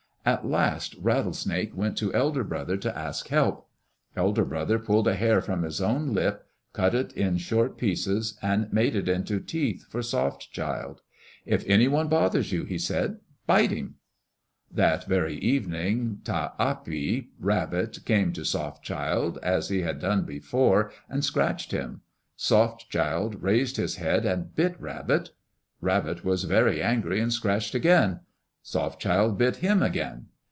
At last Rattlesnake went to Elder Brother to ask help. Elder Brother pulled a hair from his own lip, cut it in short pieces, and made it into teeth for Soft Child. "If any one bothers you," he said, "bite him." That very evening Ta api, Rabbit, came to Soft Child as he had done before and scratched him. Soft Child raised his head and bit Rabbit. Rabbit was angry and scratched again. Soft Child bit him again.